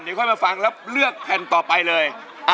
เดี๋ยวค่อยมาฟังแล้วเลือกแผ่นต่อไปเลย